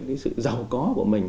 cái sự giàu có của mình